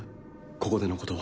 ここでのことは。